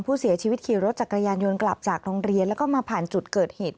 ผู้เสียชีวิตขี่รถจักรยานยนต์กลับจากโรงเรียนแล้วก็มาผ่านจุดเกิดเหตุ